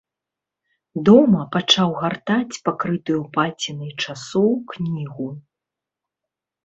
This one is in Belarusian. Дома пачаў гартаць пакрытую пацінай часоў кнігу.